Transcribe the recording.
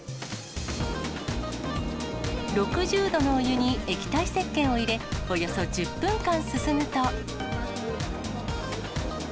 ６０度のお湯に液体せっけんを入れ、およそ１０分間すすぐと。